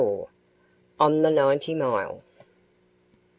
ON THE NINETY MILE.